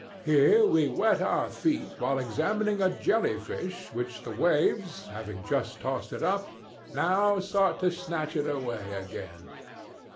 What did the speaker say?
Here we wet our feet while examining a jelly fish which the waves, having just tossed it up, now sought to snatch away again.